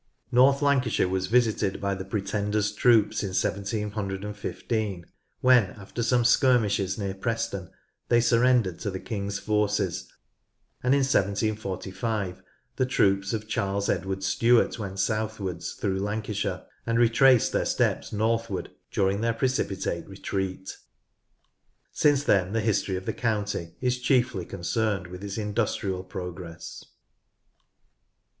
North Lancashire was visited by the Pretender's HISTORY OF NORTH LANCASHIRE 111 troops in 17 15 when after some skirmishes near Preston thev surrendered to the king's forces, and in 1745 the troops of Charles Edward Stuart went southwards through Lancashire, and retraced their steps northward during their precipitate retreat. Since then the history of the county is chiefly con cerned with its industrial progress.